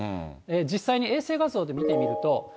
実際に衛星画像で見てみると。